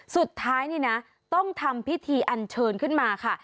สุดท้ายนี่นะต้องทำพิธีอันเชิญขึ้นมาค่ะ